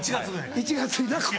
１月にな。